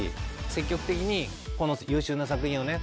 積極的にこの優秀な作品をね